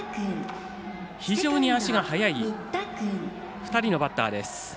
非常に足が速い２人のバッターです。